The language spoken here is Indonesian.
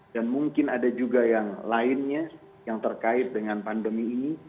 dan mungkin ada juga yang lainnya yang terkait dengan pandemi ini